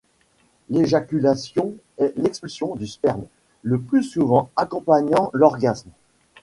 L'éjaculation est l'expulsion du sperme, le plus souvent accompagnant l'orgasme.